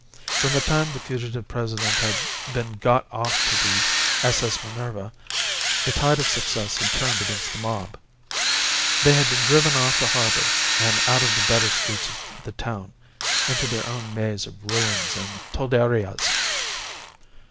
From the time the fugitive President had been got off to the S. S. Minerva, the tide of success had turned against the mob. They had been driven off the harbour, and out of the better streets of the town, into their own maze of ruins and tolderias.